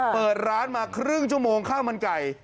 เปิดร้านมาครึ่งชั่วโมงข้าวมันไก่